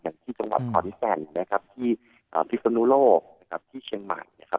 อย่างที่จังหวัดขอนแก่นนะครับที่พิศนุโลกนะครับที่เชียงใหม่นะครับ